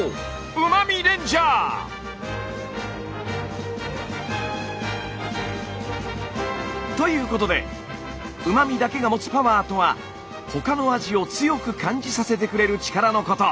うま味レンジャー！ということでうま味だけが持つパワーとは他の味を強く感じさせてくれる力のこと。